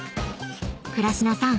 ［倉科さん